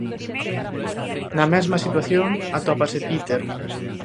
Na mesma situación atópase Peter.